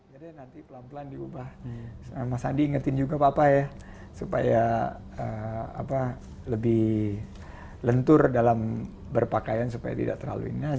jadi nanti pelan pelan diubah sama sandi ingetin juga papa ya supaya lebih lentur dalam berpakaian supaya tidak terlalu ingat